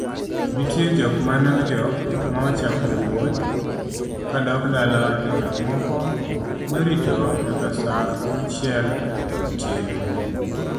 nitie jok mane ojok ma ochako wuodh ka dok dala to jok moko noritonyakasaaauchielotieno